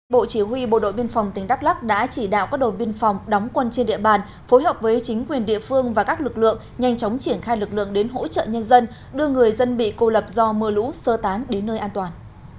bộ chỉ huy bộ đội biên phòng tỉnh đắk lắc đã chỉ đạo các đội biên phòng đóng quân trên địa bàn phối hợp với chính quyền địa phương và các lực lượng nhanh chóng triển khai lực lượng đến hỗ trợ nhân dân đưa người dân bị cô lập do mưa lũ sơ tán đến nơi an toàn